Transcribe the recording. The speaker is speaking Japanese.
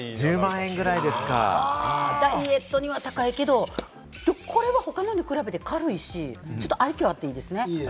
ダイエットには高いけれども、これは他のに比べて軽いし、愛嬌あっていいですね。